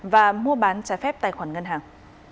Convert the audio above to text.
và mua bán trái phép tài khoản ngân hàng